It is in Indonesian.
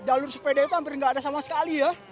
jalur sepeda itu hampir nggak ada sama sekali ya